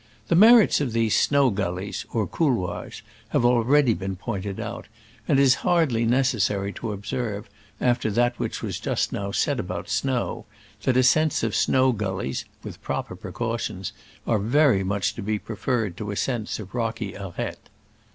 The merits of these snow gullies (or couloirs) have been already pointed out, and it is hard ly necessary to observe, after that which was just now said about snow, that as cents of snow gullies (with proper pre cautions) are very much to be preferred to ascents of rocky aretes.